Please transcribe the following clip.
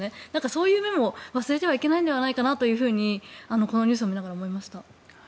そういう面も忘れてはいけないのではないかとこのニュースを見ながら思いました。